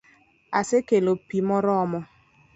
Asekelo pi moromo